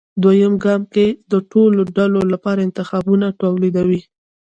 دویم ګام کې د ټولو ډلو لپاره انتخابونه توليدوي.